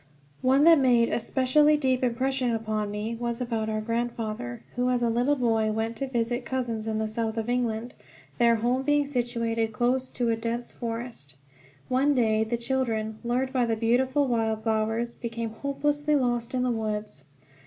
One that made a specially deep impression upon me was about our grandfather, who as a little boy went to visit cousins in the south of England, their home being situated close to a dense forest. One day the children, lured by the beautiful wild flowers, became hopelessly lost in the woods.